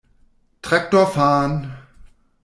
Traktor fahren!